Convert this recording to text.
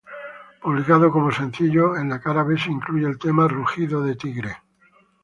Publicado como sencillo, en la cara B se incluyó el tema "Rugido de tigre".